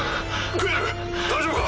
グエル大丈夫か？